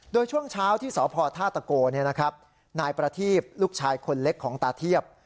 โดยช่วงเช้าที่สภทาตะโกเนี่ยนะครับนายประทีบลูกชายคนเล็กของตาเทียบ